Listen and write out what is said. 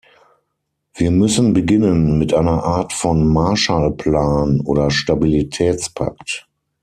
Wir müssen beginnen, mit einer Art von Marshall-Plan oder Stabilitätspakt.